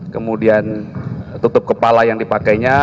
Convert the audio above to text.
kemudian tutup kepala yang dipakainya